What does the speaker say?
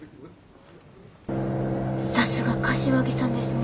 さすが柏木さんですね。